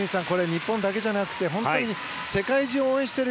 日本だけじゃなくて本当に、世界中が応援している。